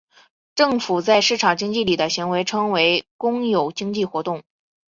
政府在市场经济里的行为称为公有经济活动。